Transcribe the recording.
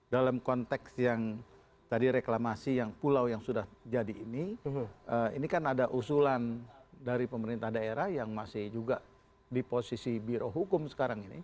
dalam konteks yang tadi reklamasi yang pulau yang sudah jadi ini ini kan ada usulan dari pemerintah daerah yang masih juga di posisi biro hukum sekarang ini